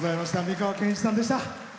美川憲一さんでした。